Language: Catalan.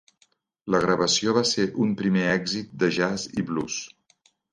La gravació va ser un primer èxit de jazz i blues.